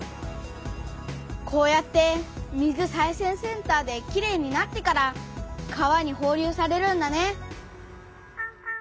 こうやって水再生センターできれいになってから川にほう流されるんだね。